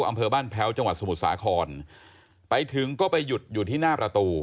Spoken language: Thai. อำเภอบ้านแพ้วจังหวัดสมุทรสาครไปถึงก็ไปหยุดอยู่ที่หน้าประตู